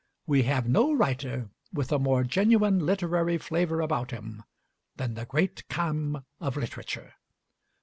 We have no writer with a more genuine literary flavor about him than the great Cham of literature.